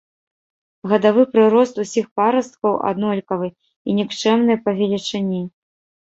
Гадавы прырост ўсіх парасткаў аднолькавы і нікчэмны па велічыні.